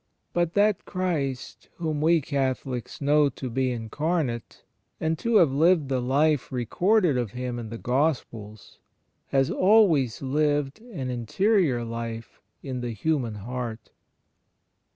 But that Christ whom we Catholics know to be incarnate and to have lived the Life recorded of Him in the Gospels, has always lived an interior life in the human heart.